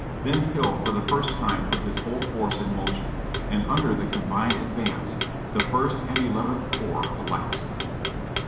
Then Hill for the first time put his whole force in motion ; and under the combined advance, the First and Elev enth corps collapsed.